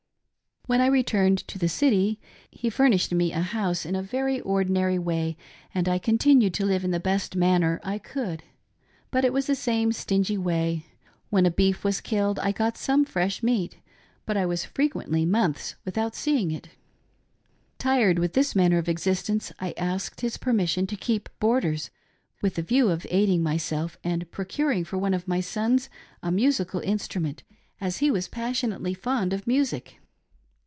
When I retiimed to the city he furnished me a house in a very ordinary way and I continued to live in the best manner I could. But it was the same stingy way. When a beef was killed I got some fresh meat ;, but I was frequently months without seeing it Tired with this maimer of existence, I asked his permission to keep board ^88. CRUEL TREATMENT OF "ELIZA ANN." ers, with the view of aiding myself and procuring for one of my sons a musical instrument, as he was passionately fond of musip.